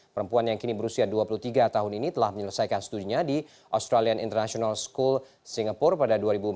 perempuan yang kini berusia dua puluh tiga tahun ini telah menyelesaikan studinya di australian international school singapura pada dua ribu empat belas